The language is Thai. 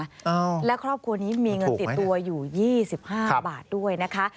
อ้าวไม่ถูกไหมนะแล้วครอบครัวนี้มีเงินติดตัวอยู่๒๕บาทด้วยนะคะ